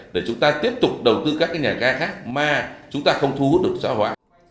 để chúng ta tiếp tục đầu tư các cái nhà ga khác mà chúng ta không thu hút được xã hóa